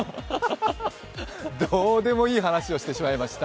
どうでもいい話をしてしまいました。